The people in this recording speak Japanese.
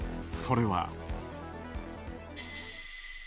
それは。